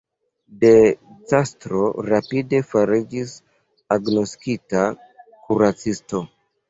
De Castro rapide fariĝis agnoskita kuracisto.